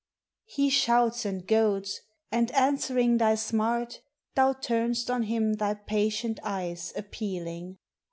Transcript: He shouts and goads, and answering thy smart. Thou turn's! on him thy patient eyes appealing.